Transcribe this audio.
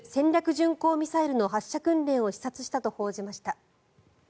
巡航ミサイルの発射訓練を視察したと報じました。